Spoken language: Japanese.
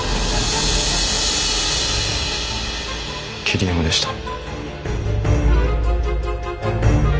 桐山でした。